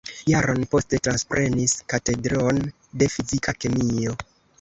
Jaron poste transprenis Katedron de Fizika Kemio.